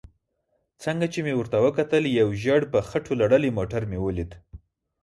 څنګه چې مې ورته وکتل یو ژېړ په خټو لړلی موټر مې ولید.